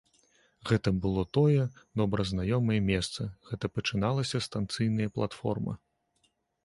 Гэта было тое, добра знаёмае месца, гэта пачыналася станцыйная платформа.